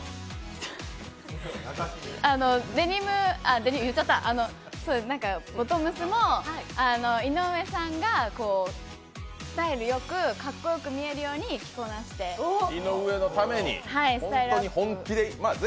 デニム言っちゃった、ボトムスも、井上さんがスタイルよく、かっこよく見えるように井上のために本気で。